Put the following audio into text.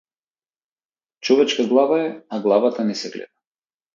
Човечка глава е, а главата не се гледа.